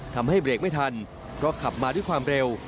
ทำให้เบรกไม่ทันเพราะขับมาด้วยความเร็ว